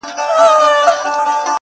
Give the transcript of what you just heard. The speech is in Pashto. لا یې ساړه دي د برګونو سیوري-